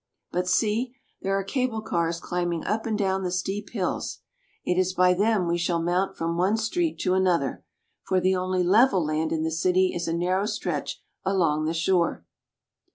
But see, there are cable cars climbing up and down the 112 CHILE. Steep hills. It is by them we shall mount from one street to another, for the only level land in the city is a narrow stretch along the shore.